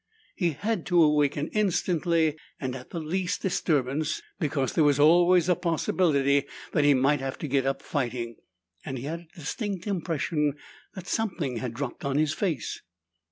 He had to awaken instantly, and at the least disturbance, because there was always a possibility that he might have to get up fighting, and he had a distinct impression that something had dropped on his face.